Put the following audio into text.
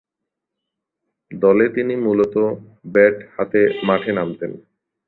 দলে তিনি মূলতঃ ব্যাট হাতে মাঠে নামতেন।